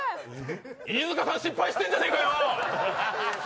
飯塚さん、失敗してんじゃねえかよ